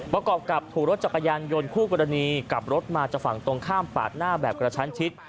ประกอบกับถูกรถจักรยานยนต์คู่กรณีกลับรถมาจากฝั่งตรงข้ามปาดหน้าแบบกระชั้นชิด